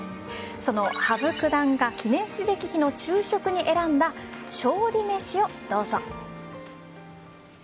その羽生九段が記念すべき日の昼食に選んだ勝利めしをどうぞ。